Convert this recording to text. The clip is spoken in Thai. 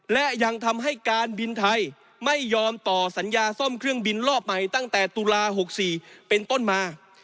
และยังทำให้การบินไทยไม่ยอมต่อสัญญาซ่อมเครื่องบินรอบใหม่ตั้งแต่ตุลา๖๔เป็นต้นมา